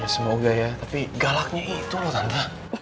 semoga ya tapi galaknya itu loh sanda